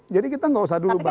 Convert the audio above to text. jadi kita tidak perlu dulu bahas